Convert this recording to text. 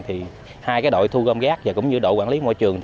thì hai đội thu gom rác và đội quản lý môi trường